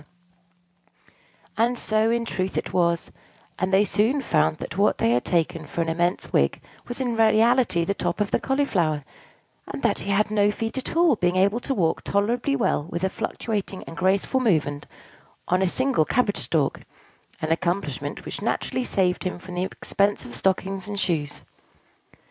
And so, in truth, it was: and they soon found that what they had taken for an immense wig was in reality the top of the Cauliflower; and that he had no feet at all, being able to walk tolerably well with a fluctuating and graceful movement on a single cabbage stalk, an accomplishment which naturally saved him the expense of stockings and shoes.